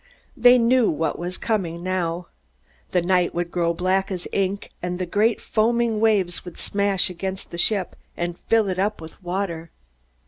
They knew what was coming now. The night would grow black as ink, and the great foaming waves would smash against the ship and fill it up with water.